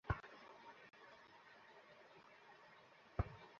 কিন্তু নামটা জিদান বলেই তাঁর দ্যুতিতে রিয়ালের মহাতারকা খেলোয়াড়রাও ফিকে হয়ে যাচ্ছে।